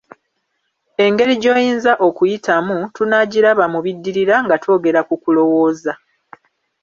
Engeri gy'oyinza okuyitamu, tunaagiraba mu biddirira nga twogera ku kulowooza.